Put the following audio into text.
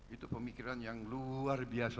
itu pemikiran yang luar biasa